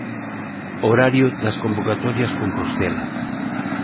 Horario das convocatorias Compostela.